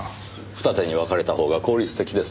二手に分かれたほうが効率的です。